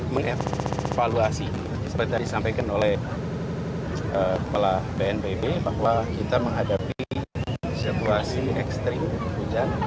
mengevaluasi seperti tadi disampaikan oleh kepala bnpb bahwa kita menghadapi situasi ekstrim hujan